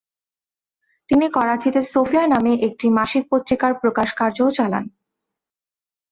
তিনি করাচিতে সোফিয়া নামে একটি মাসিক পত্রিকার প্রকাশ কার্যও চালান।